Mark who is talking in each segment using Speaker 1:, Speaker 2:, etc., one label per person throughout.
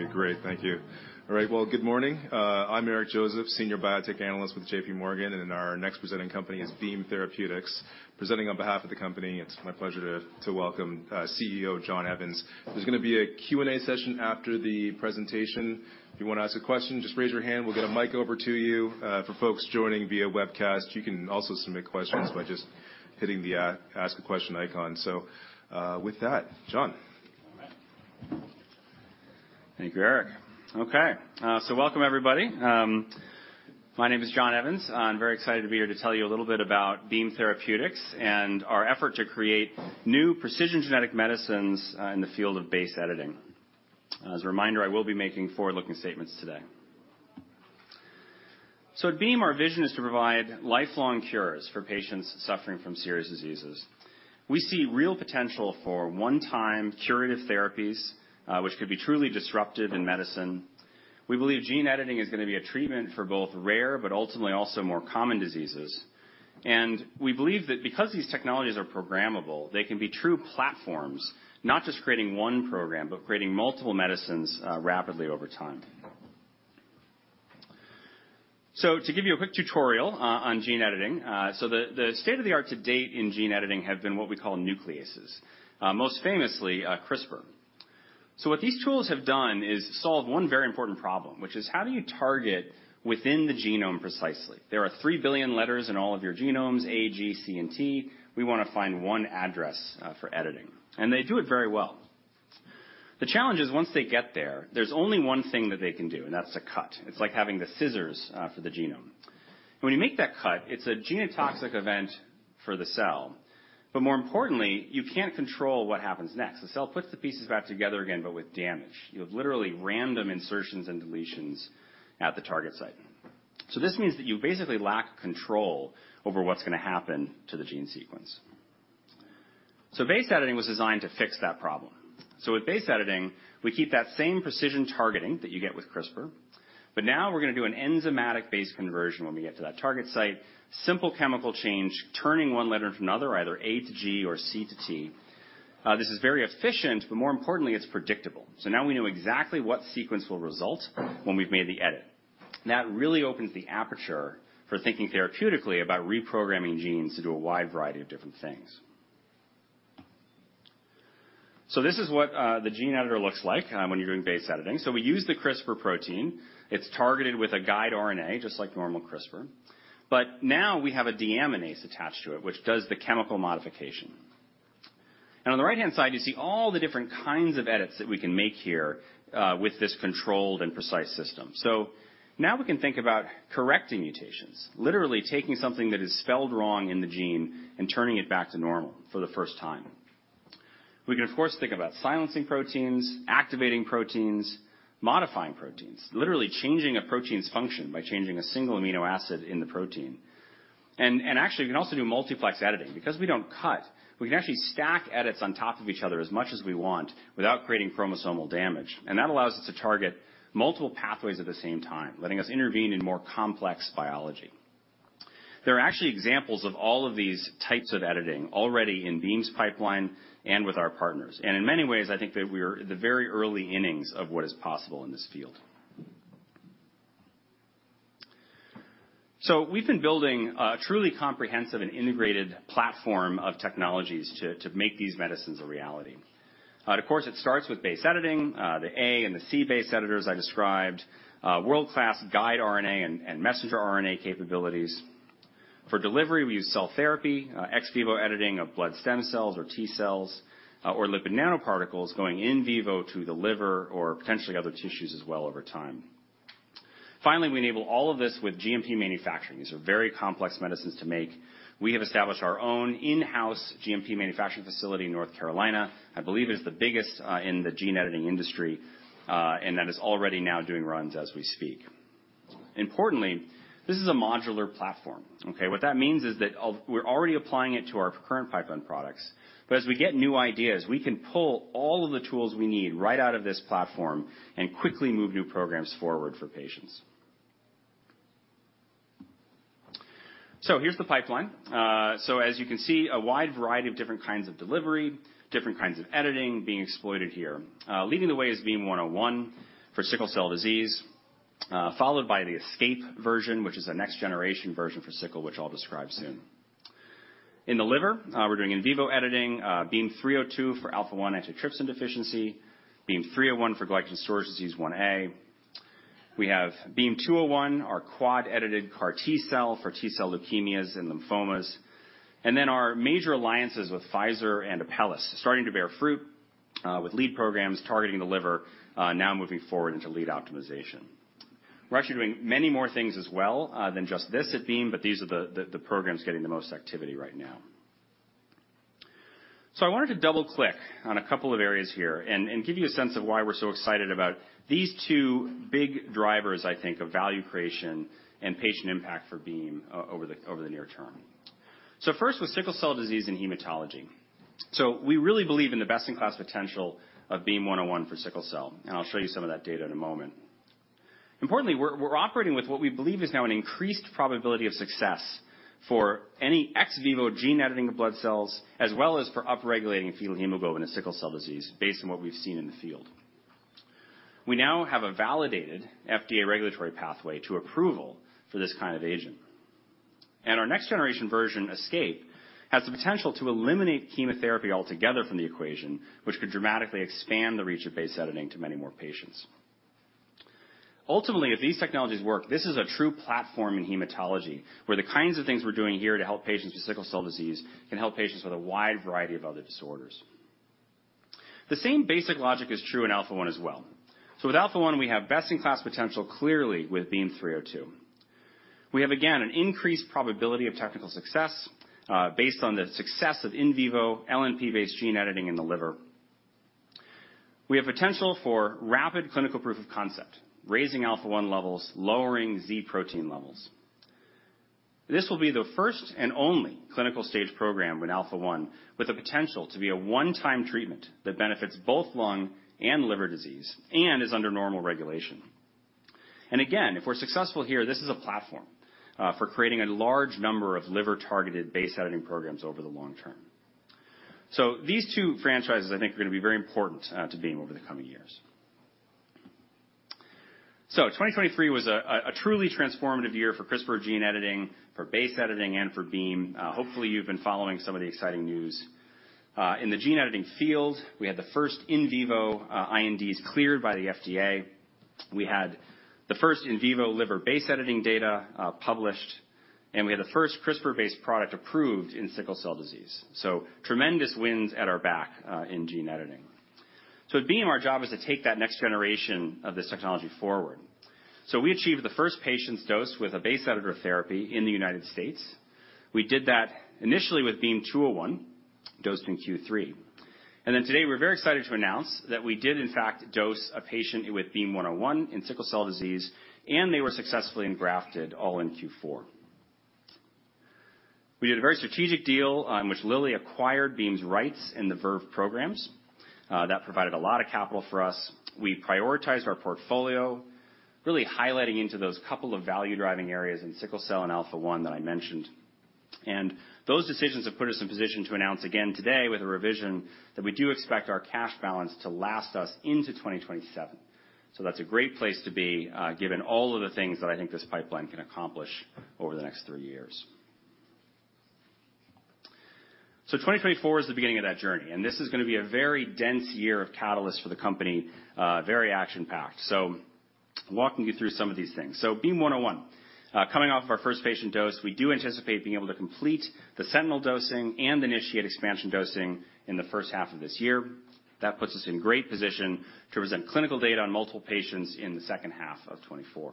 Speaker 1: Okay, great. Thank you. All right. Well, good morning. I'm Eric Joseph, Senior Biotech Analyst with J.P. Morgan, and our next presenting company is Beam Therapeutics. Presenting on behalf of the company, it's my pleasure to welcome CEO John Evans. There's going to be a Q&A session after the presentation. If you want to ask a question, just raise your hand, we'll get a mic over to you. For folks joining via webcast, you can also submit questions by just hitting the Ask a Question icon. So, with that, John.
Speaker 2: All right. Thank you, Eric. Okay, so welcome, everybody. My name is John Evans. I'm very excited to be here to tell you a little bit about Beam Therapeutics and our effort to create new precision genetic medicines in the field of base editing. As a reminder, I will be making forward-looking statements today. So at Beam, our vision is to provide lifelong cures for patients suffering from serious diseases. We see real potential for one-time curative therapies, which could be truly disruptive in medicine. We believe gene editing is going to be a treatment for both rare but ultimately also more common diseases. We believe that because these technologies are programmable, they can be true platforms, not just creating one program, but creating multiple medicines rapidly over time. So to give you a quick tutorial on gene editing, so the state-of-the-art to date in gene editing have been what we call nucleases, most famously, CRISPR. So what these tools have done is solve one very important problem, which is, how do you target within the genome precisely? There are three billion letters in all of your genomes, A, G, C, and T. We want to find one address for editing, and they do it very well. The challenge is, once they get there, there's only one thing that they can do, and that's to cut. It's like having the scissors for the genome. When you make that cut, it's a genotoxic event for the cell, but more importantly, you can't control what happens next. The cell puts the pieces back together again, but with damage. You have literally random insertions and deletions at the target site. So this means that you basically lack control over what's going to happen to the gene sequence. So base editing was designed to fix that problem. So with base editing, we keep that same precision targeting that you get with CRISPR, but now we're going to do an enzymatic-based conversion when we get to that target site. Simple chemical change, turning one letter from another, either A-G or C-T. This is very efficient, but more importantly, it's predictable. So now we know exactly what sequence will result when we've made the edit. That really opens the aperture for thinking therapeutically about reprogramming genes to do a wide variety of different things. So this is what the gene editor looks like when you're doing base editing. So we use the CRISPR protein. It's targeted with a guide RNA, just like normal CRISPR, but now we have a deaminase attached to it, which does the chemical modification. And on the right-hand side, you see all the different kinds of edits that we can make here, with this controlled and precise system. So now we can think about correcting mutations, literally taking something that is spelled wrong in the gene and turning it back to normal for the first time. We can, of course, think about silencing proteins, activating proteins, modifying proteins, literally changing a protein's function by changing a single amino acid in the protein. And, and actually, we can also do multiplex editing. Because we don't cut, we can actually stack edits on top of each other as much as we want without creating chromosomal damage, and that allows us to target multiple pathways at the same time, letting us intervene in more complex biology. There are actually examples of all of these types of editing already in Beam's pipeline and with our partners. In many ways, I think that we are at the very early innings of what is possible in this field. We've been building a truly comprehensive and integrated platform of technologies to make these medicines a reality. Of course, it starts with base editing, the A and the C base editors I described, world-class guide RNA and messenger RNA capabilities. For delivery, we use cell therapy, ex vivo editing of blood stem cells or T cells, or lipid nanoparticles going in vivo to the liver or potentially other tissues as well over time. Finally, we enable all of this with GMP manufacturing. These are very complex medicines to make. We have established our own in-house GMP manufacturing facility in North Carolina. I believe it's the biggest in the gene editing industry, and that is already now doing runs as we speak. Importantly, this is a modular platform, okay? What that means is that we're already applying it to our current pipeline products, but as we get new ideas, we can pull all of the tools we need right out of this platform and quickly move new programs forward for patients. So here's the pipeline. So as you can see, a wide variety of different kinds of delivery, different kinds of editing being exploited here. Leading the way is BEAM-101 for sickle cell disease, followed by the ESCAPE version, which is a next-generation version for sickle, which I'll describe soon. In the liver, we're doing in vivo editing, BEAM-302 for alpha-1 antitrypsin deficiency, BEAM-301 for Glycogen Storage Disease Ia. We have BEAM-201, our quad-edited CAR T cell for T-cell leukemias and lymphomas, and then our major alliances with Pfizer and Apellis starting to bear fruit, with lead programs targeting the liver, now moving forward into lead optimization. We're actually doing many more things as well, than just this at Beam, but these are the programs getting the most activity right now. So I wanted to double-click on a couple of areas here and give you a sense of why we're so excited about these two big drivers, I think, of value creation and patient impact for BEAM over the near term. So first, with sickle cell disease and hematology. So we really believe in the best-in-class potential of BEAM-101 for sickle cell, and I'll show you some of that data in a moment. Importantly, we're operating with what we believe is now an increased probability of success for any ex vivo gene editing of blood cells, as well as for upregulating fetal hemoglobin in sickle cell Disease, based on what we've seen in the field. We now have a validated FDA regulatory pathway to approval for this kind of agent, and our next-generation version, ESCAPE, has the potential to eliminate chemotherapy altogether from the equation, which could dramatically expand the reach of base editing to many more patients. Ultimately, if these technologies work, this is a true platform in hematology, where the kinds of things we're doing here to help patients with sickle cell disease can help patients with a wide variety of other disorders. The same basic logic is true in alpha-1 as well. So with alpha-1, we have best-in-class potential, clearly with BEAM-302. We have, again, an increased probability of technical success, based on the success of in vivo LNP-based gene editing in the liver. We have potential for rapid clinical proof of concept, raising alpha-1 levels, lowering Z protein levels. This will be the first and only clinical stage program in alpha-1, with the potential to be a one-time treatment that benefits both lung and liver disease and is under normal regulation. Again, if we're successful here, this is a platform for creating a large number of liver-targeted base editing programs over the long term. So these two franchises, I think, are gonna be very important to Beam over the coming years. So 2023 was a truly transformative year for CRISPR gene editing, for base editing, and for Beam. Hopefully, you've been following some of the exciting news. In the gene editing field, we had the first in vivo INDs cleared by the FDA. We had the first in vivo liver base editing data published, and we had the first CRISPR-based product approved in sickle cell Disease. So tremendous wins at our back in gene editing. So at Beam, our job is to take that next generation of this technology forward. So we achieved the first patient's dose with a base editor therapy in the United States. We did that initially with BEAM-201, dosed in Q3. And then today, we're very excited to announce that we did, in fact, dose a patient with BEAM-101 in sickle cell disease, and they were successfully engrafted all in Q4. We did a very strategic deal in which Lilly acquired Beam's rights in the Verve programs. That provided a lot of capital for us. We prioritized our portfolio, really highlighting into those couple of value-driving areas in sickle cell and alpha-1 that I mentioned. Those decisions have put us in position to announce again today with a revision, that we do expect our cash balance to last us into 2027. So that's a great place to be, given all of the things that I think this pipeline can accomplish over the next three years. So 2024 is the beginning of that journey, and this is gonna be a very dense year of catalysts for the company, very action-packed. So walking you through some of these things. So Beam-101. Coming off our first patient dose, we do anticipate being able to complete the sentinel dosing and initiate expansion dosing in the first half of this year. That puts us in great position to present clinical data on multiple patients in the second half of 2024.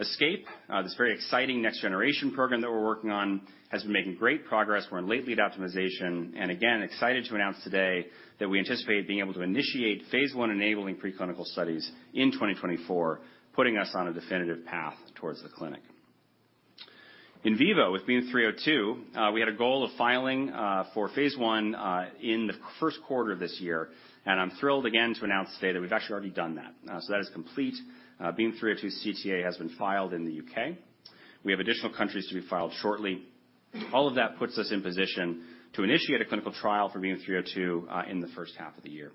Speaker 2: ESCAPE, this very exciting next-generation program that we're working on, has been making great progress. We're in late lead optimization, and again, excited to announce today that we anticipate being able to initiate phase I enabling preclinical studies in 2024, putting us on a definitive path towards the clinic. In vivo, with BEAM-302, we had a goal of filing for phase I in the first quarter of this year, and I'm thrilled again to announce today that we've actually already done that. So that is complete. BEAM-302 CTA has been filed in the U.K. We have additional countries to be filed shortly. All of that puts us in position to initiate a clinical trial for BEAM-302 in the first half of the year.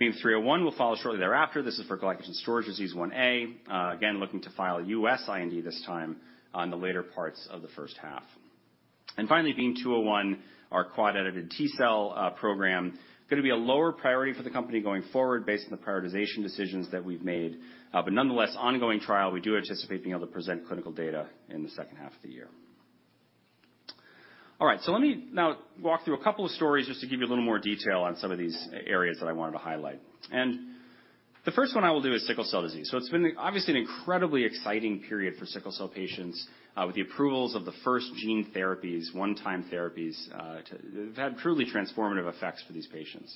Speaker 2: BEAM-301 will follow shortly thereafter. This is for Glycogen Storage Disease Type Ia. Again, looking to file a U.S. IND this time on the later parts of the first half. Finally, BEAM-201, our quad-edited T-cell program, gonna be a lower priority for the company going forward based on the prioritization decisions that we've made. But nonetheless, ongoing trial, we do anticipate being able to present clinical data in the second half of the year. All right, so let me now walk through a couple of stories just to give you a little more detail on some of these areas that I wanted to highlight. The first one I will do is sickle cell disease. So it's been obviously an incredibly exciting period for sickle cell patients with the approvals of the first gene therapies, one-time therapies to they've had truly transformative effects for these patients.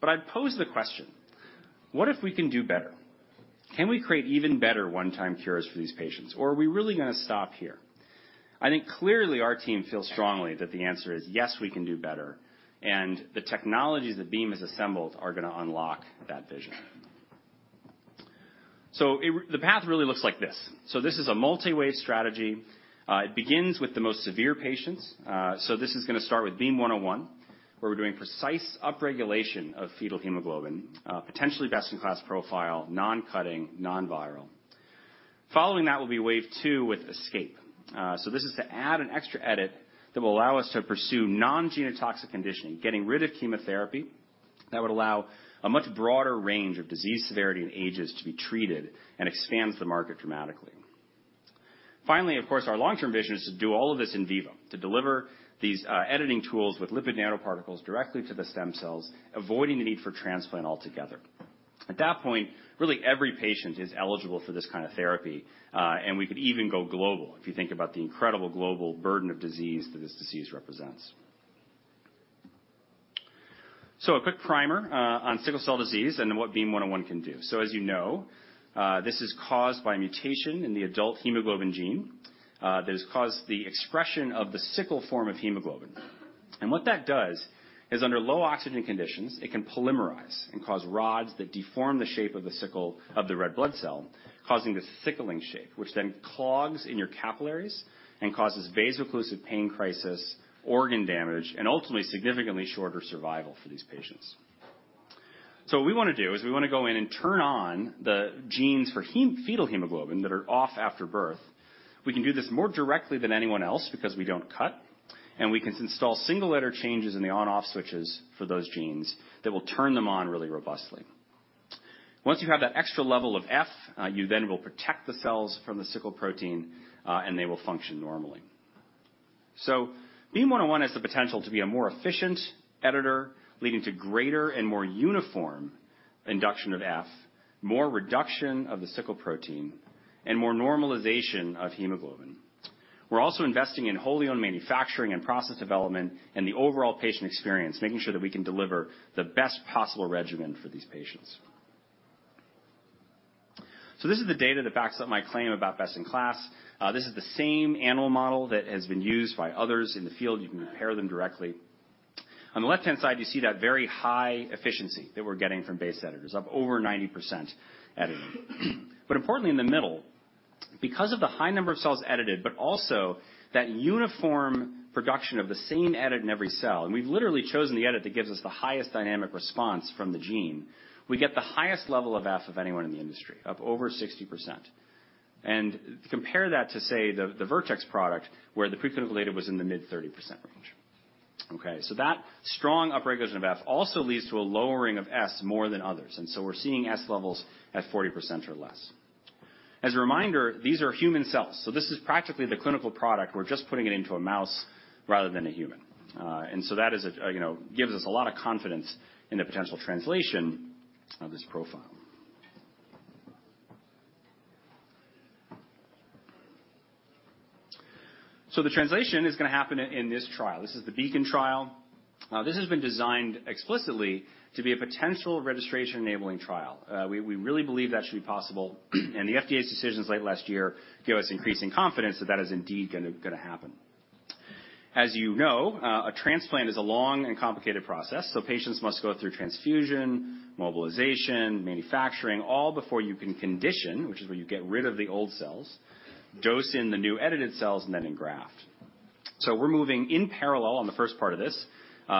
Speaker 2: But I'd pose the question: What if we can do better? Can we create even better one-time cures for these patients, or are we really gonna stop here? I think clearly our team feels strongly that the answer is yes, we can do better, and the technologies that Beam has assembled are gonna unlock that vision. So the path really looks like this. So this is a multi-wave strategy. It begins with the most severe patients. So this is gonna start with BEAM-101, where we're doing precise upregulation of fetal hemoglobin, potentially best-in-class profile, non-cutting, non-viral. Following that will be wave two with ESCAPE. So this is to add an extra edit that will allow us to pursue non-genotoxic conditioning, getting rid of chemotherapy. That would allow a much broader range of disease severity and ages to be treated and expands the market dramatically. Finally, of course, our long-term vision is to do all of this in vivo, to deliver these, editing tools with lipid nanoparticles directly to the stem cells, avoiding the need for transplant altogether. At that point, really, every patient is eligible for this kind of therapy, and we could even go global if you think about the incredible global burden of disease that this disease represents. So a quick primer, on sickle cell disease and what BEAM-101 can do. So as you know, this is caused by a mutation in the adult hemoglobin gene, that has caused the expression of the sickle form of hemoglobin. And what that does is under low oxygen conditions, it can polymerize and cause rods that deform the shape of the sickle of the red blood cell, causing this sickling shape, which then clogs in your capillaries and causes vaso-occlusive pain crisis, organ damage, and ultimately significantly shorter survival for these patients. So what we want to do is we want to go in and turn on the genes for fetal hemoglobin that are off after birth. We can do this more directly than anyone else because we don't cut, and we can install single letter changes in the on/off switches for those genes that will turn them on really robustly. Once you have that extra level of F, you then will protect the cells from the sickle protein, and they will function normally. So BEAM-101 has the potential to be a more efficient editor, leading to greater and more uniform induction of F, more reduction of the sickle protein, and more normalization of hemoglobin. We're also investing in wholly owned manufacturing and process development and the overall patient experience, making sure that we can deliver the best possible regimen for these patients. So this is the data that backs up my claim about best-in-class. This is the same animal model that has been used by others in the field. You can compare them directly. On the left-hand side, you see that very high efficiency that we're getting from base editors of over 90% editing. But importantly, in the middle, because of the high number of cells edited, but also that uniform production of the same edit in every cell, and we've literally chosen the edit that gives us the highest dynamic response from the gene, we get the highest level of F of anyone in the industry, of over 60%. And compare that to, say, the Vertex product, where the preclinical data was in the mid-30% range. Okay, so that strong upregulation of F also leads to a lowering of S more than others, and so we're seeing S levels at 40% or less. As a reminder, these are human cells, so this is practically the clinical product. We're just putting it into a mouse rather than a human. And so that, you know, gives us a lot of confidence in the potential translation of this profile. So the translation is going to happen in this trial. This is the BEACON trial. This has been designed explicitly to be a potential registration-enabling trial. We really believe that should be possible, and the FDA's decisions late last year give us increasing confidence that that is indeed gonna happen. As you know, a transplant is a long and complicated process, so patients must go through transfusion, mobilization, manufacturing, all before you can condition, which is where you get rid of the old cells, dose in the new edited cells, and then engraft. So we're moving in parallel on the first part of this,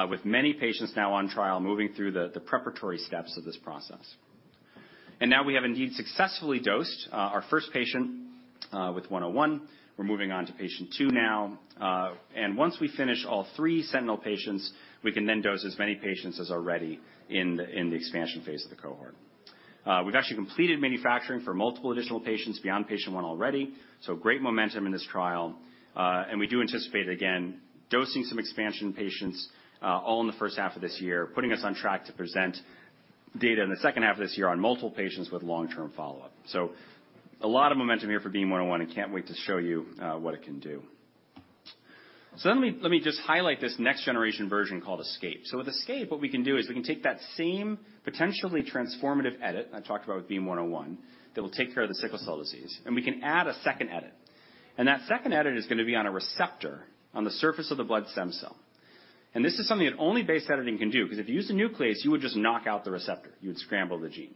Speaker 2: with many patients now on trial, moving through the preparatory steps of this process. Now we have indeed successfully dosed our first patient with 101. We're moving on to patient two now, and once we finish all three sentinel patients, we can then dose as many patients as are ready in the expansion phase of the cohort. We've actually completed manufacturing for multiple additional patients beyond patient 1 already, so great momentum in this trial, and we do anticipate, again, dosing some expansion patients all in the first half of this year, putting us on track to present data in the second half of this year on multiple patients with long-term follow-up. So a lot of momentum here for BEAM-101, and can't wait to show you what it can do. So let me, let me just highlight this next-generation version called ESCAPE. So with ESCAPE, what we can do is we can take that same potentially transformative edit I talked about with BEAM-101, that will take care of the sickle cell disease, and we can add a second edit. And that second edit is going to be on a receptor on the surface of the blood stem cell. And this is something that only base editing can do, because if you use a nuclease, you would just knock out the receptor. You would scramble the gene.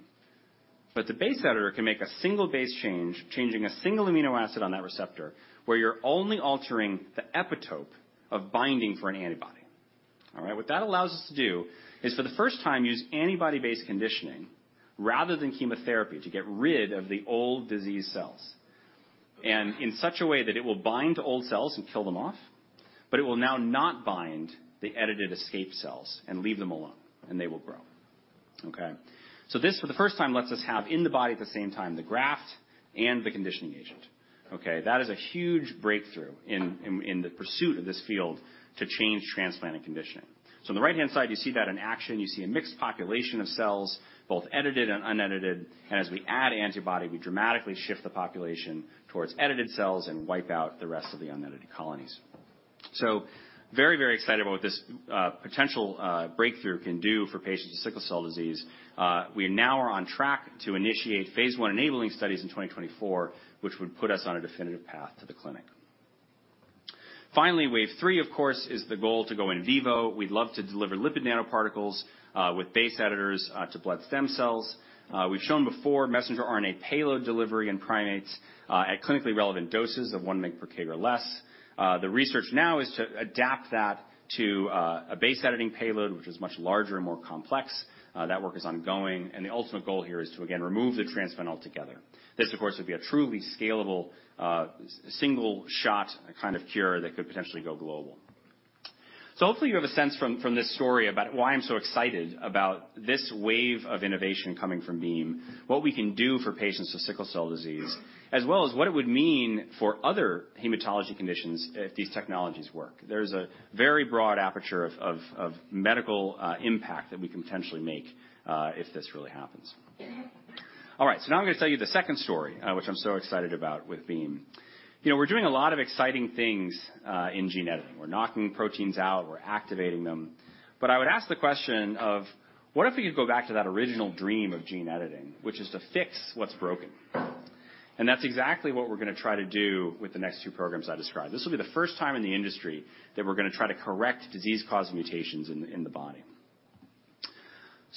Speaker 2: But the base editor can make a single base change, changing a single amino acid on that receptor, where you're only altering the epitope of binding for an antibody. All right? What that allows us to do is, for the first time, use antibody-based conditioning rather than chemotherapy, to get rid of the old disease cells, and in such a way that it will bind to old cells and kill them off, but it will now not bind the edited escape cells and leave them alone, and they will grow, okay? So this, for the first time, lets us have in the body at the same time, the graft and the conditioning agent, okay? That is a huge breakthrough in the pursuit of this field to change transplant and conditioning. So on the right-hand side, you see that in action, you see a mixed population of cells, both edited and unedited, and as we add antibody, we dramatically shift the population towards edited cells and wipe out the rest of the unedited colonies. So very, very excited about what this potential breakthrough can do for patients with sickle cell disease. We now are on track to initiate phase I enabling studies in 2024, which would put us on a definitive path to the clinic. Finally, wave three, of course, is the goal to go in vivo. We'd love to deliver lipid nanoparticles with base editors to blood stem cells. We've shown before messenger RNA payload delivery in primates at clinically relevant doses of 1 mg per kg or less. The research now is to adapt that to a base-editing payload, which is much larger and more complex. That work is ongoing, and the ultimate goal here is to, again, remove the transplant altogether. This, of course, would be a truly scalable single shot kind of cure that could potentially go global. So hopefully, you have a sense from this story about why I'm so excited about this wave of innovation coming from BEAM, what we can do for patients with sickle cell disease, as well as what it would mean for other hematology conditions if these technologies work. There's a very broad aperture of medical impact that we can potentially make if this really happens. All right, so now I'm going to tell you the second story, which I'm so excited about with BEAM. You know, we're doing a lot of exciting things in gene editing. We're knocking proteins out, we're activating them. But I would ask the question of: what if we could go back to that original dream of gene editing, which is to fix what's broken? That's exactly what we're gonna try to do with the next two programs I described. This will be the first time in the industry that we're gonna try to correct disease-causing mutations in the body.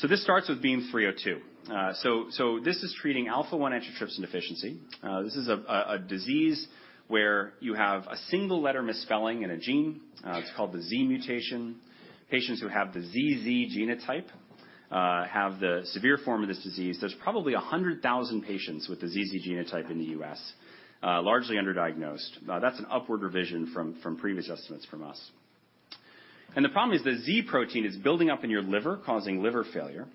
Speaker 2: This starts with BEAM-302. This is treating alpha-1 antitrypsin deficiency. This is a disease where you have a single letter misspelling in a gene. It's called the Z mutation. Patients who have the ZZ genotype have the severe form of this disease. There's probably 100,000 patients with the ZZ genotype in the U.S., largely underdiagnosed. That's an upward revision from previous estimates from us. The problem is the Z protein is building up in your liver, causing liver failure,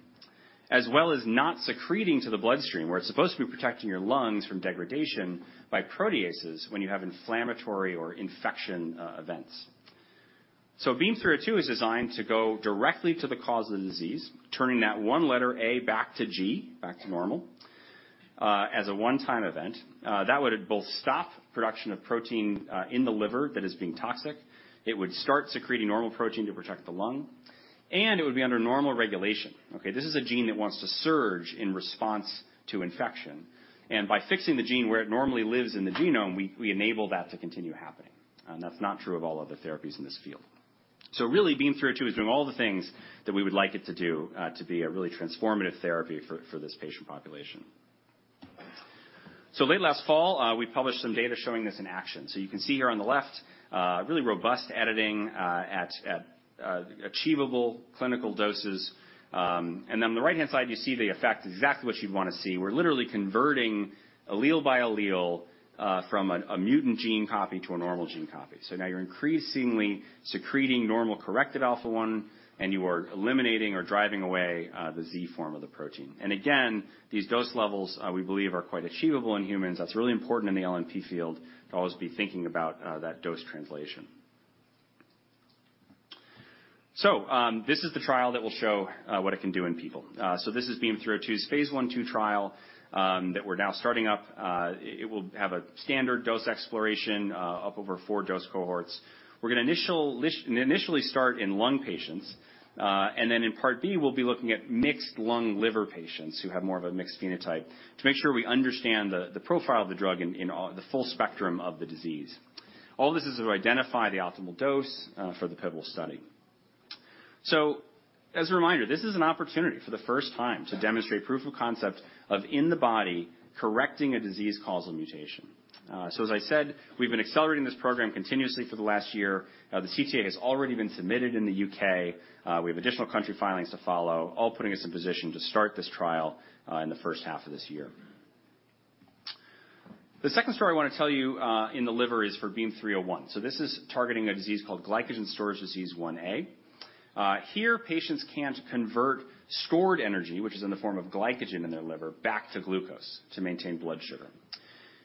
Speaker 2: as well as not secreting to the bloodstream, where it's supposed to be protecting your lungs from degradation by proteases when you have inflammatory or infection events. So BEAM-302 is designed to go directly to the cause of the disease, turning that one letter A back to G, back to normal, as a one-time event. That would both stop production of protein in the liver that is being toxic. It would start secreting normal protein to protect the lung, and it would be under normal regulation, okay? This is a gene that wants to surge in response to infection. And by fixing the gene where it normally lives in the genome, we enable that to continue happening, and that's not true of all other therapies in this field. So really, BEAM-302 is doing all the things that we would like it to do, to be a really transformative therapy for this patient population. So late last fall, we published some data showing this in action. So you can see here on the left, really robust editing at achievable clinical doses. And then on the right-hand side, you see the effect, exactly what you'd want to see. We're literally converting allele by allele from a mutant gene copy to a normal gene copy. So now you're increasingly secreting normal, corrected alpha-1, and you are eliminating or driving away the Z form of the protein. And again, these dose levels we believe are quite achievable in humans. That's really important in the LNP field, to always be thinking about that dose translation. So, this is the trial that will show what it can do in people. So this is BEAM-302's phase I/II trial that we're now starting up. It will have a standard dose exploration of over four dose cohorts. We're gonna initially start in lung patients, and then in Part B, we'll be looking at mixed lung-liver patients who have more of a mixed phenotype to make sure we understand the profile of the drug in the full spectrum of the disease. All this is to identify the optimal dose for the pivotal study. So as a reminder, this is an opportunity for the first time to demonstrate proof of concept of in the body, correcting a disease-causal mutation. So as I said, we've been accelerating this program continuously for the last year. The CTA has already been submitted in the U.K. We have additional country filings to follow, all putting us in position to start this trial, in the first half of this year. The second story I want to tell you, in the liver, is for BEAM-301. So this is targeting a disease called Glycogen Storage Disease Ia. Here, patients can't convert stored energy, which is in the form of glycogen in their liver, back to glucose to maintain blood sugar.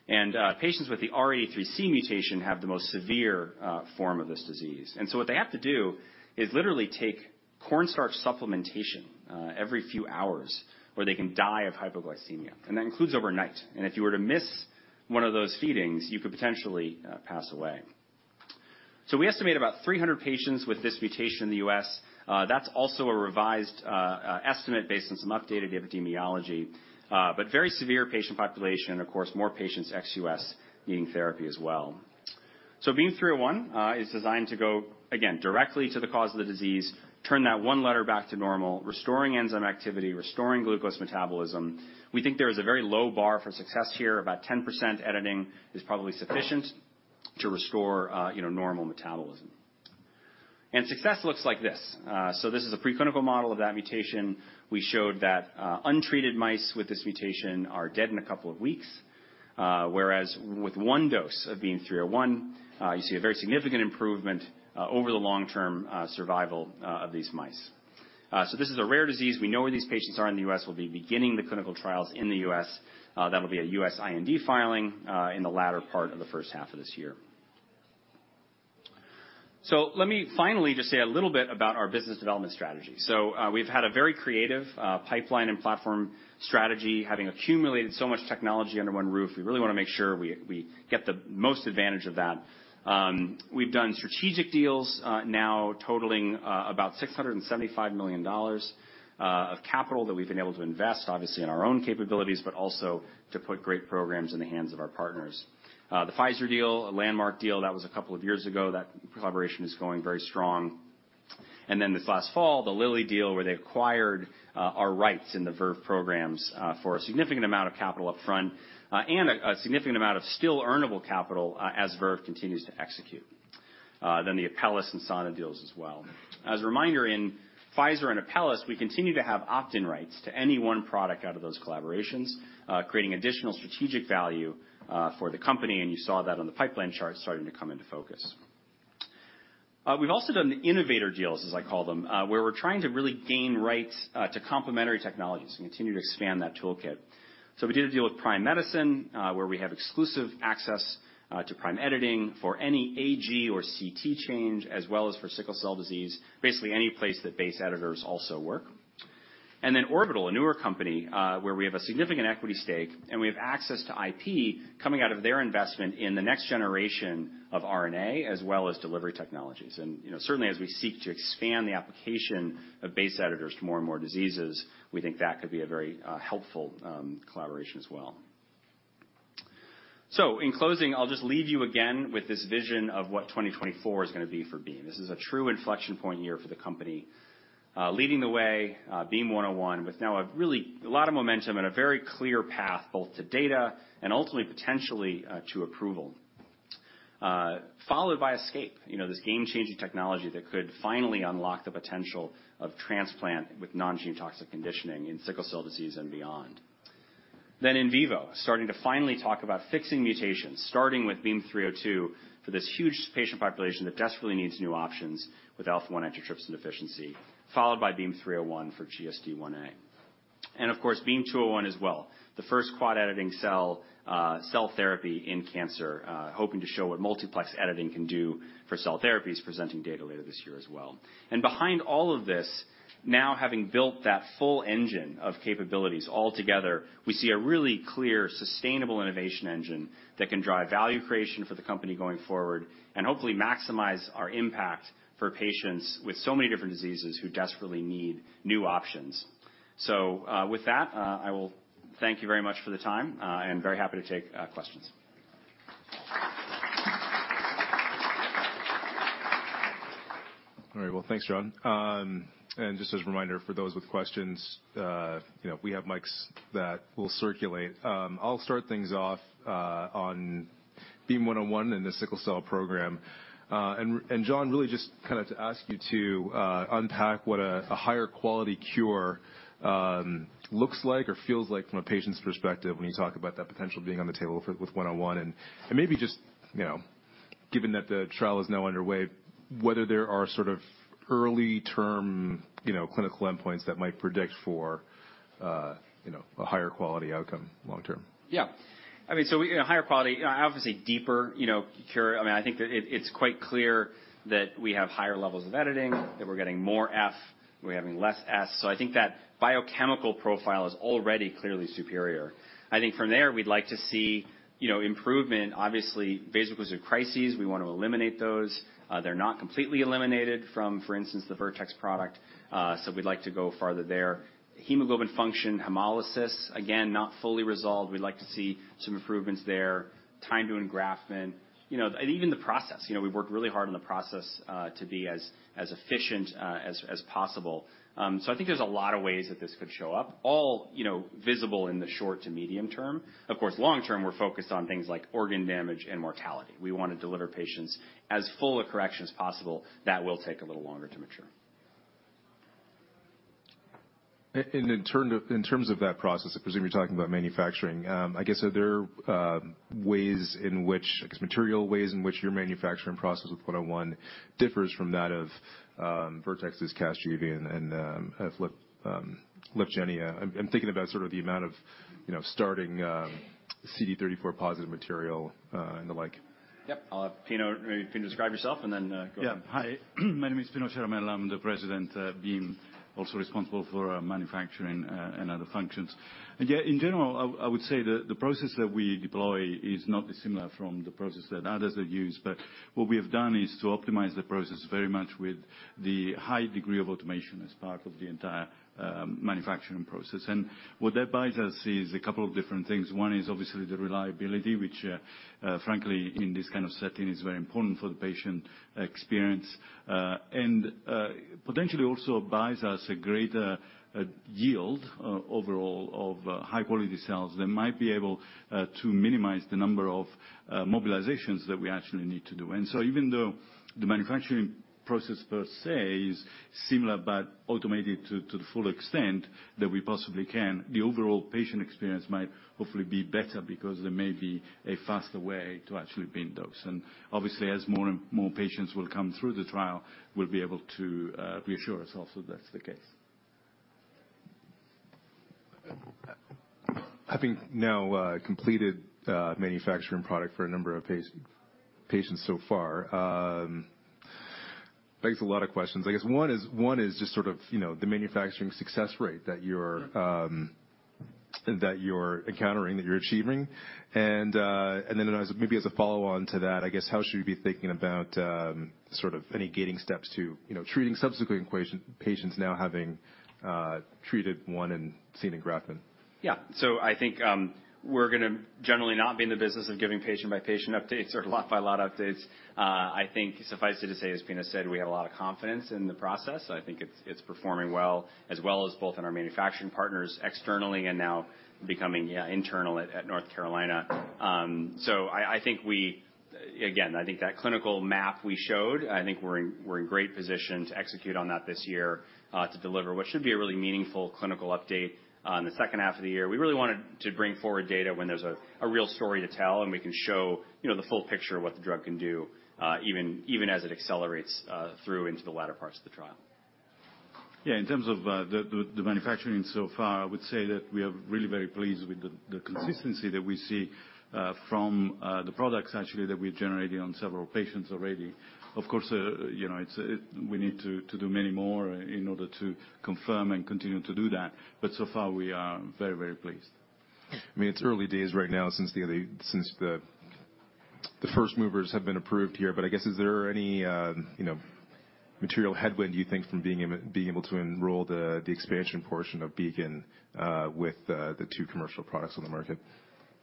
Speaker 2: And, patients with the R83C mutation have the most severe, form of this disease. And so what they have to do is literally take cornstarch supplementation, every few hours, or they can die of hypoglycemia, and that includes overnight. And if you were to miss one of those feedings, you could potentially, pass away. So we estimate about 300 patients with this mutation in the U.S. That's also a revised estimate based on some updated epidemiology, but very severe patient population. Of course, more patients ex-U.S. needing therapy as well. So BEAM-301 is designed to go, again, directly to the cause of the disease, turn that one letter back to normal, restoring enzyme activity, restoring glucose metabolism. We think there is a very low bar for success here. About 10% editing is probably sufficient to restore normal metabolism. And success looks like this. So this is a preclinical model of that mutation. We showed that untreated mice with this mutation are dead in a couple of weeks, whereas with one dose of BEAM-301, you see a very significant improvement over the long-term survival of these mice. So this is a rare disease. We know where these patients are in the U.S. We'll be beginning the clinical trials in the U.S. That'll be a U.S. IND filing, in the latter part of the first half of this year. So let me finally just say a little bit about our business development strategy. So, we've had a very creative, pipeline and platform strategy. Having accumulated so much technology under one roof, we really want to make sure we, we get the most advantage of that. We've done strategic deals, now totaling, about $675 million of capital that we've been able to invest, obviously, in our own capabilities, but also to put great programs in the hands of our partners. The Pfizer deal, a landmark deal, that was a couple of years ago. That collaboration is going very strong. And then this last fall, the Lilly deal, where they acquired our rights in the Verve programs for a significant amount of capital upfront, and a significant amount of still earnable capital as Verve continues to execute. Then the Apellis and Sana deals as well. As a reminder, in Pfizer and Apellis, we continue to have opt-in rights to any one product out of those collaborations, creating additional strategic value for the company, and you saw that on the pipeline chart starting to come into focus. We've also done the innovator deals, as I call them, where we're trying to really gain rights to complementary technologies and continue to expand that toolkit. So we did a deal with Prime Medicine, where we have exclusive access to prime editing for any AG or CT change, as well as for sickle cell disease, basically, any place that base editors also work. And then Orbital, a newer company, where we have a significant equity stake, and we have access to IP coming out of their investment in the next generation of RNA, as well as delivery technologies. And, you know, certainly as we seek to expand the application of base editors to more and more diseases, we think that could be a very helpful collaboration as well. So in closing, I'll just leave you again with this vision of what 2024 is gonna be for Beam. This is a true inflection point year for the company. Leading the way, BEAM-101, with now really a lot of momentum and a very clear path, both to data and ultimately, potentially, to approval. Followed by ESCAPE, you know, this game-changing technology that could finally unlock the potential of transplant with non-genotoxic conditioning in sickle cell disease and beyond. Then in vivo, starting to finally talk about fixing mutations, starting with BEAM-302 for this huge patient population that desperately needs new options with alpha-1 antitrypsin deficiency, followed by BEAM-301 for GSD Ia. And of course, BEAM-201 as well. The first quad editing cell therapy in cancer, hoping to show what multiplex editing can do for cell therapies, presenting data later this year as well. Behind all of this, now having built that full engine of capabilities all together, we see a really clear, sustainable innovation engine that can drive value creation for the company going forward, and hopefully maximize our impact for patients with so many different diseases who desperately need new options. With that, I will thank you very much for the time, and very happy to take questions.
Speaker 1: All right. Well, thanks, John. And just as a reminder, for those with questions, you know, we have mics that will circulate. I'll start things off on Beam-101 and the sickle cell program. And John, really just kind of to ask you to unpack what a higher quality cure looks like or feels like from a patient's perspective when you talk about that potential being on the table for with 101. And maybe just, you know, given that the trial is now underway, whether there are sort of early-term, you know, clinical endpoints that might predict for, you know, a higher quality outcome long term.
Speaker 2: Yeah. I mean, a higher quality, obviously, deeper, you know, cure. I mean, I think that it is quite clear that we have higher levels of editing, that we're getting more F, we're having less S. So I think that biochemical profile is already clearly superior. I think from there, we'd like to see, you know, improvement. Obviously, vaso-occlusive crises, we want to eliminate those. They're not completely eliminated from, for instance, the Vertex product, so we'd like to go farther there. Hemoglobin function, hemolysis, again, not fully resolved. We'd like to see some improvements there. Time to engraftment, you know, and even the process, you know, we've worked really hard on the process to be as efficient as possible. So, I think there's a lot of ways that this could show up, all, you know, visible in the short to medium term. Of course, long term, we're focused on things like organ damage and mortality. We want to deliver patients as full a correction as possible. That will take a little longer to mature.
Speaker 1: In terms of that process, I presume you're talking about manufacturing. I guess, are there ways in which, I guess, material ways in which your manufacturing process with 101 differs from that of Vertex's Casgevy and of Lyfgenia? I'm thinking about sort of the amount of, you know, starting CD34+ material and the like.
Speaker 2: Yep. I'll have Pino. Maybe, Pino, describe yourself and then, go ahead.
Speaker 3: Yeah. Hi. My name is Pino Ciaramella. I'm the President, Beam, also responsible for manufacturing and other functions. And yeah, in general, I, I would say that the process that we deploy is not dissimilar from the process that others have used, but what we have done is to optimize the process very much with the high degree of automation as part of the entire manufacturing process. And what that buys us is a couple of different things. One is obviously the reliability, which, frankly, in this kind of setting, is very important for the patient experience, and potentially also buys us a greater yield overall of high-quality cells that might be able to minimize the number of mobilizations that we actually need to do. Even though the manufacturing process per se is similar but automated to the full extent that we possibly can, the overall patient experience might hopefully be better because there may be a faster way to actually bin dose. Obviously, as more and more patients will come through the trial, we'll be able to reassure ourselves that that's the case.
Speaker 1: Having now completed manufacturing product for a number of patients so far begs a lot of questions. I guess one is just sort of, you know, the manufacturing success rate that you're achieving. And then as maybe a follow-on to that, I guess, how should we be thinking about sort of any gating steps to, you know, treating subsequent patients now having treated one and seen engraftment?
Speaker 2: Yeah. So I think we're gonna generally not be in the business of giving patient-by-patient updates or lot-by-lot updates. I think suffice it to say, as Pino said, we have a lot of confidence in the process, and I think it's performing well, as well as both in our manufacturing partners externally and now becoming internal at North Carolina. So I think we. Again, I think that clinical map we showed, I think we're in great position to execute on that this year, to deliver what should be a really meaningful clinical update in the second half of the year. We really wanted to bring forward data when there's a real story to tell, and we can show, you know, the full picture of what the drug can do, even as it accelerates through into the latter parts of the trial.
Speaker 3: Yeah, in terms of the manufacturing so far, I would say that we are really very pleased with the consistency that we see from the products actually that we've generated on several patients already. Of course, you know, we need to do many more in order to confirm and continue to do that, but so far we are very, very pleased.
Speaker 2: Yeah.
Speaker 1: I mean, it's early days right now since the first movers have been approved here, but I guess, is there any, you know, material headwind, do you think, from being able to enroll the expansion portion of BEAM-101 with the two commercial products on the market?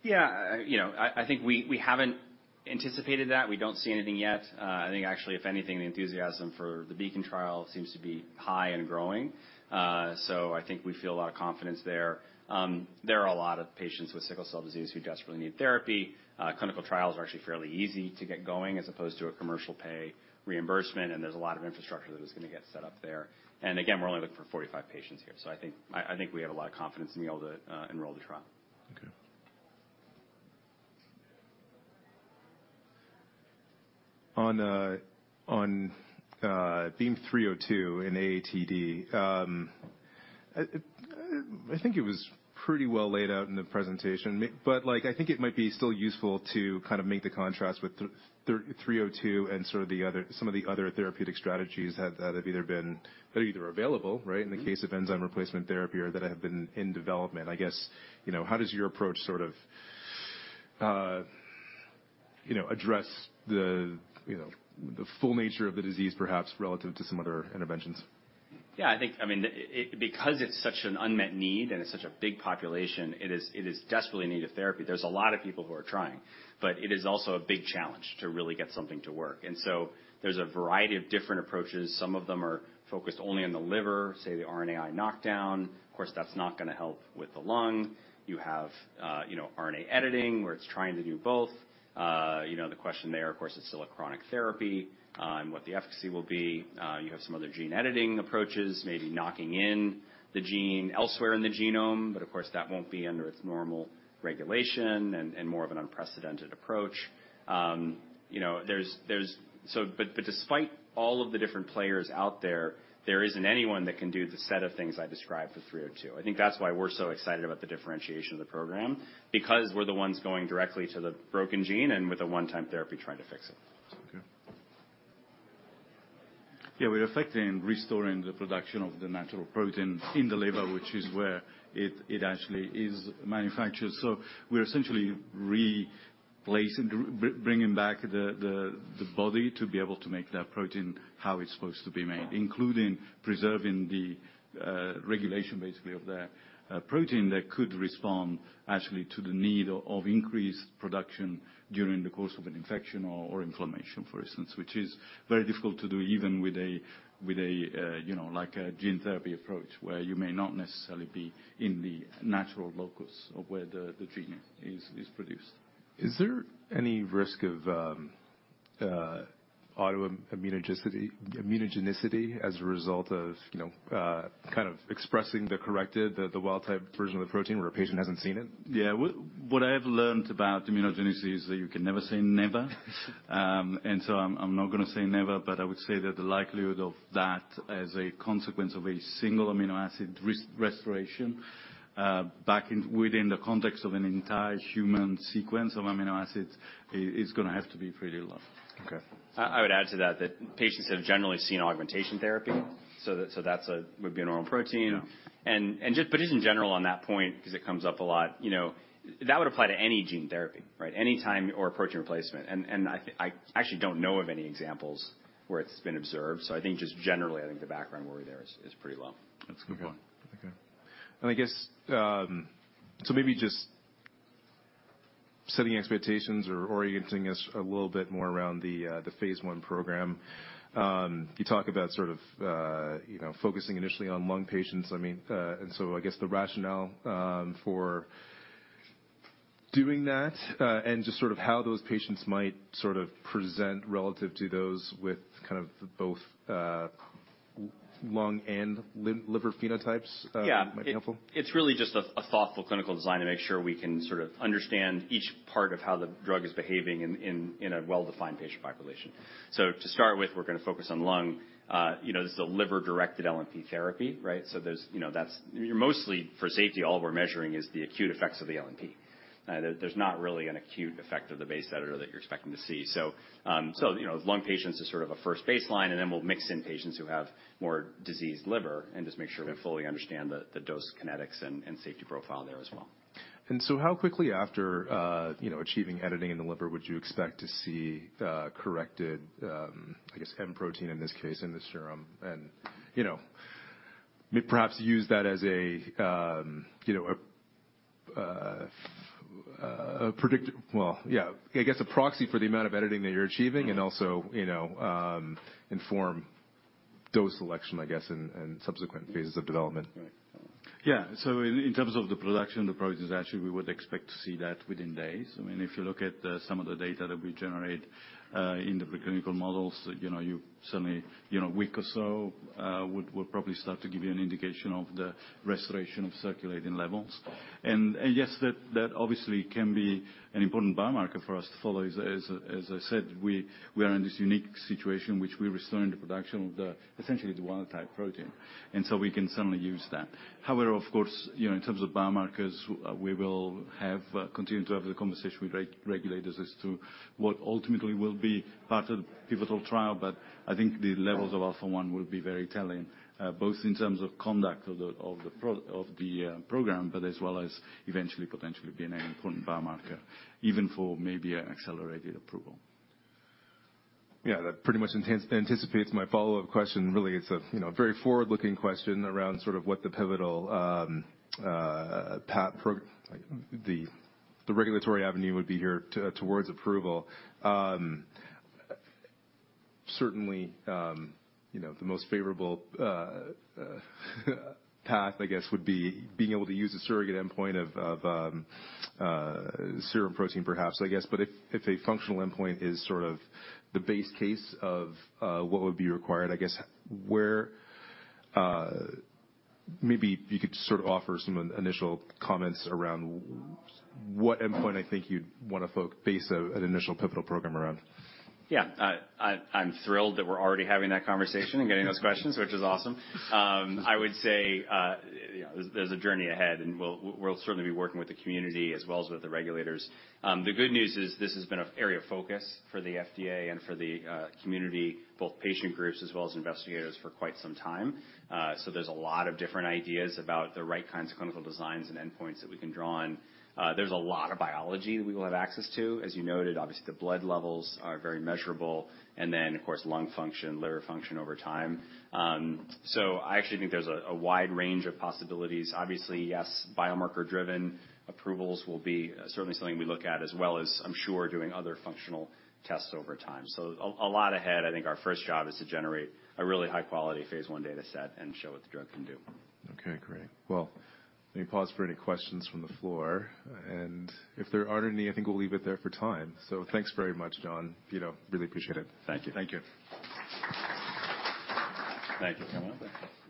Speaker 2: Yeah, you know, I, I think we, we haven't anticipated that. We don't see anything yet. I think actually, if anything, the enthusiasm for the BEACON trial seems to be high and growing. So I think we feel a lot of confidence there. There are a lot of patients with sickle cell disease who desperately need therapy. Clinical trials are actually fairly easy to get going as opposed to a commercial pay reimbursement, and there's a lot of infrastructure that is gonna get set up there. And again, we're only looking for 45 patients here, so I think, we have a lot of confidence in being able to enroll the trial.
Speaker 1: Okay. On BEAM-302 in AATD, I think it was pretty well laid out in the presentation, but, like, I think it might be still useful to kind of make the contrast with 302 and sort of the other, some of the other therapeutic strategies that have either been, that are either available, right?
Speaker 3: Mm-hmm.
Speaker 1: In the case of enzyme replacement therapy or that have been in development. I guess, you know, how does your approach sort of, you know, the, you know, the full nature of the disease, perhaps, relative to some other interventions?
Speaker 2: Yeah, I think, I mean, because it's such an unmet need and it's such a big population, it is desperately in need of therapy. There's a lot of people who are trying, but it is also a big challenge to really get something to work. And so there's a variety of different approaches. Some of them are focused only on the liver, say, the RNAi knockdown. Of course, that's not gonna help with the lung. You have, you know, RNA editing, where it's trying to do both. You know, the question there, of course, it's still a chronic therapy, and what the efficacy will be. You have some other gene editing approaches, maybe knocking in the gene elsewhere in the genome, but of course, that won't be under its normal regulation and more of an unprecedented approach. You know, there's but despite all of the different players out there, there isn't anyone that can do the set of things I described for 302. I think that's why we're so excited about the differentiation of the program, because we're the ones going directly to the broken gene and with a one-time therapy, trying to fix it.
Speaker 1: Okay.
Speaker 3: Yeah, we're effecting restoring the production of the natural protein in the liver, which is where it actually is manufactured. So we're essentially replacing, bringing back the body to be able to make that protein, how it's supposed to be made, including preserving the regulation, basically, of the protein that could respond actually to the need of increased production during the course of an infection or inflammation, for instance, which is very difficult to do even with a you know like a gene therapy approach, where you may not necessarily be in the natural locus of where the gene is produced.
Speaker 1: Is there any risk of autoimmunogenicity, immunogenicity as a result of, you know, kind of expressing the corrected, the wild-type version of the protein, where a patient hasn't seen it?
Speaker 3: Yeah. What I have learned about immunogenicity is that you can never say never. And so I'm not gonna say never, but I would say that the likelihood of that as a consequence of a single amino acid restoration back within the context of an entire human sequence of amino acids is gonna have to be pretty low.
Speaker 1: Okay.
Speaker 2: I would add to that, that patients have generally seen augmentation therapy, so that would be a normal protein.
Speaker 1: Yeah.
Speaker 2: And just in general, on that point, because it comes up a lot, you know, that would apply to any gene therapy, right? Any time or approach and replacement. And I actually don't know of any examples where it's been observed, so I think just generally, I think the background worry there is pretty low.
Speaker 1: That's a good point. Okay. And I guess, so maybe just setting expectations or orienting us a little bit more around the, the phase I program. You talk about sort of, you know, focusing initially on lung patients. I mean, and so I guess the rationale, for doing that, and just sort of how those patients might sort of present relative to those with kind of both, lung and liver phenotypes?
Speaker 2: Yeah.
Speaker 1: Might be helpful.
Speaker 2: It's really just a thoughtful clinical design to make sure we can sort of understand each part of how the drug is behaving in a well-defined patient population. So to start with, we're gonna focus on lung. You know, this is a liver-directed LNP therapy, right? So there's, you know, that's. Mostly for safety, all we're measuring is the acute effects of the LNP. There's not really an acute effect of the base editor that you're expecting to see. So, you know, lung patients is sort of a first baseline, and then we'll mix in patients who have more diseased liver and just make sure we fully understand the dose, kinetics and safety profile there as well.
Speaker 1: And so how quickly after, you know, achieving editing in the liver, would you expect to see corrected, I guess, M protein in this case, in the serum? And, you know, perhaps use that as a, you know, well, yeah, I guess, a proxy for the amount of editing that you're achieving and also, you know, inform dose selection, I guess, in subsequent phases of development.
Speaker 3: Right. Yeah. So in terms of the production, the approach is actually we would expect to see that within days. I mean, if you look at some of the data that we generate in the preclinical models, you know, you certainly, you know, a week or so would probably start to give you an indication of the restoration of circulating levels. And yes, that obviously can be an important biomarker for us to follow. As I said, we are in this unique situation in which we're restoring the production of essentially the wild-type protein, and so we can certainly use that. However, of course, you know, in terms of biomarkers, we will continue to have the conversation with regulators as to what ultimately will be part of the pivotal trial. But I think the levels of alpha-1 will be very telling, both in terms of conduct of the program, but as well as eventually, potentially being an important biomarker, even for maybe an accelerated approval.
Speaker 1: Yeah, that pretty much anticipates my follow-up question. Really, it's a, you know, very forward-looking question around sort of what the pivotal path the regulatory avenue would be here towards approval. Certainly, you know, the most favorable path, I guess, would be being able to use a surrogate endpoint of serum protein, perhaps, I guess. But if a functional endpoint is sort of the base case of what would be required, I guess, where maybe you could sort of offer some initial comments around what endpoint I think you'd want to base an initial pivotal program around?
Speaker 2: Yeah. I'm thrilled that we're already having that conversation and getting those questions, which is awesome. I would say, you know, there's a journey ahead, and we'll certainly be working with the community as well as with the regulators. The good news is this has been an area of focus for the FDA and for the community, both patient groups as well as investigators, for quite some time. So there's a lot of different ideas about the right kinds of clinical designs and endpoints that we can draw on. There's a lot of biology that we will have access to. As you noted, obviously, the blood levels are very measurable, and then, of course, lung function, liver function over time. So I actually think there's a wide range of possibilities. Obviously, yes, biomarker-driven approvals will be certainly something we look at, as well as I'm sure doing other functional tests over time. So a lot ahead. I think our first job is to generate a really high-quality phase one data set and show what the drug can do.
Speaker 1: Okay, great. Well, let me pause for any questions from the floor, and if there aren't any, I think we'll leave it there for time. So thanks very much, John. You know, really appreciate it.
Speaker 2: Thank you.
Speaker 1: Thank you.
Speaker 2: Thank you.
Speaker 1: You're welcome.